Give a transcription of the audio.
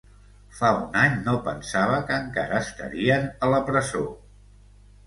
Fa un any no pensava que encara estarien a la presó.